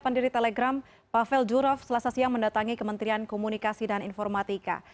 pendiri telegram pavel durov selasa siang mendatangi kementerian komunikasi dan informatika